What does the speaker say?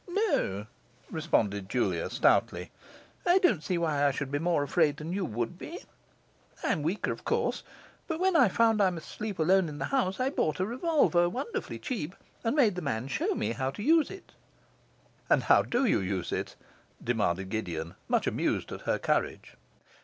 'No,' responded Julia stoutly. 'I don't see why I should be more afraid than you would be; I am weaker, of course, but when I found I must sleep alone in the house I bought a revolver wonderfully cheap, and made the man show me how to use it.' 'And how do you use it?' demanded Gideon, much amused at her courage.